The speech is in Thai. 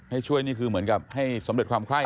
ให้ช่วยนี่คือเหมือนกับให้สำเร็จความไคร้